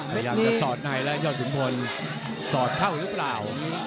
รายการสอดใยแหละยอดขุมพลสอดเข้ารูปเหล่า